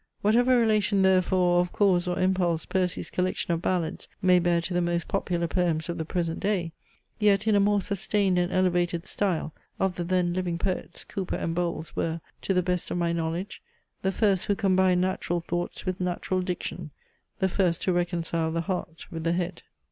Whatever relation, therefore, of cause or impulse Percy's collection of Ballads may bear to the most popular poems of the present day; yet in a more sustained and elevated style, of the then living poets, Cowper and Bowles were, to the best of my knowledge, the first who combined natural thoughts with natural diction; the first who reconciled the heart with the head.